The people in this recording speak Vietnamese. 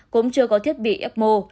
cũng chưa có thiết bị ecmo